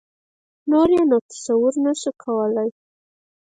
نور یې نو تصور نه شو کولای.